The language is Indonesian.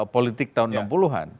politik tahun enam puluh an